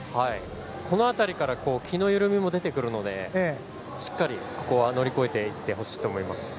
この辺りから気の緩みも出てくるのでしっかり乗り越えていってほしいと思います。